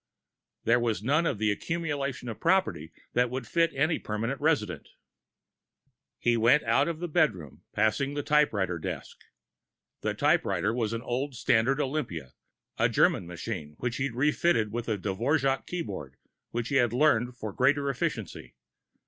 There was none of the accumulation of property that would fit any permanent residence. He went out of the bedroom, passing the typewriter desk. The typewriter was an old, standard Olympia a German machine he'd refitted with the Dvorak keyboard which he had learned for greater efficiency.